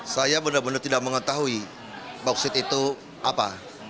saya benar benar tidak mengetahui bauksit itu apa